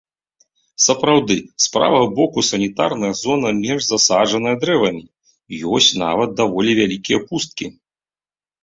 Сапраўды, з правага боку санітарная зона менш засаджаная дрэвамі, ёсць нават даволі вялікія пусткі.